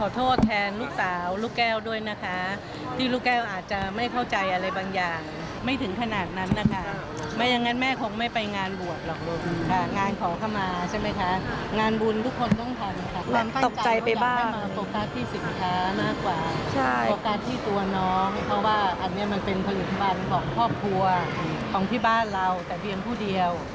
แต่เพียงผู้เดียว